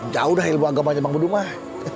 jauh dah ilmu agama bang bedu mah